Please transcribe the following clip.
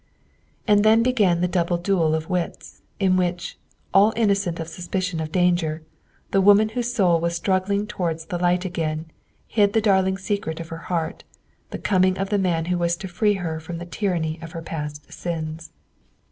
And then began the double duel of wits, in which, all innocent of suspicion of danger, the woman whose soul was struggling toward the light again, hid the darling secret of her heart the coming of the man who was to free her from the tyranny of her past sins!